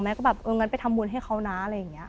ก็แบบเอองั้นไปทำบุญให้เขานะอะไรอย่างนี้